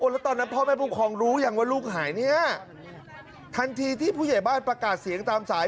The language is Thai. แล้วตอนนั้นพ่อแม่ผู้ครองรู้ยังว่าลูกหายเนี่ยทันทีที่ผู้ใหญ่บ้านประกาศเสียงตามสาย